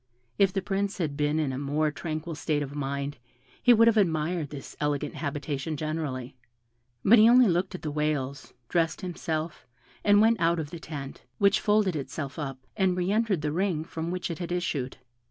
If the Prince had been in a more tranquil state of mind he would have admired this elegant habitation generally; but he only looked at the whales, dressed himself, and went out of the tent, which folded itself up, and re entered the ring from which it had issued.